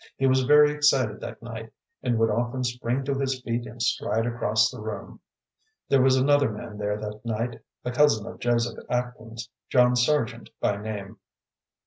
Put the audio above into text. He was very excited that night, and would often spring to his feet and stride across the room. There was another man there that night, a cousin of Joseph Atkins, John Sargent by name.